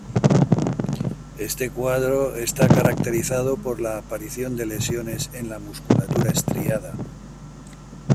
Este cuadro está caracterizado por la aparición de lesiones en la musculatura estriada.